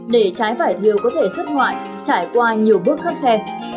để trái vải thiều có thể xuất ngoại trải qua nhiều bước khắt khe